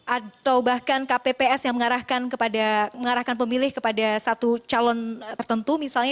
atau bahkan kpps yang mengarahkan pemilih kepada satu calon tertentu misalnya